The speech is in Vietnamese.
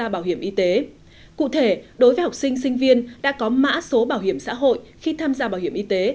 bảo hiểm y tế cụ thể đối với học sinh sinh viên đã có mã số bảo hiểm xã hội khi tham gia bảo hiểm y tế